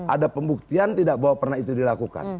ada pembuktian tidak bahwa pernah itu dilakukan